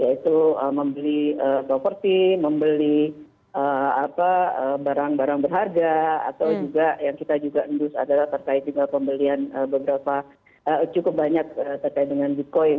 yaitu membeli properti membeli barang barang berharga atau juga yang kita juga endus adalah terkait juga pembelian beberapa cukup banyak terkait dengan bitcoin